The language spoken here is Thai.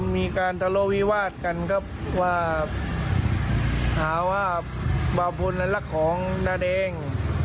มีการทะโลวิวาดกันครับว่าหาว่าเบาพุทธ์นั้นละของนาเดง